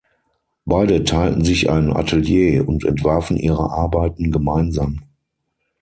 Beide teilten sich ein Atelier und entwarfen ihre Arbeiten gemeinsam.